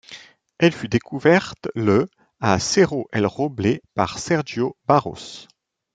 Il fut découvert le à Cerro El Roble par Sergio Barros.